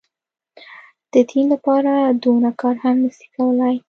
د دين لپاره دونه کار هم نه سي کولاى.